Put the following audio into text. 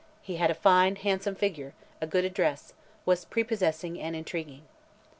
He had a fine, handsome figure, a good address, was prepossessing and intriguing."